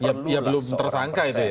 ya belum tersangka itu ya